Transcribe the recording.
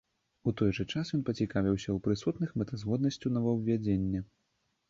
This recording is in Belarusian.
У той жа час ён пацікавіўся ў прысутных мэтазгоднасцю новаўвядзення.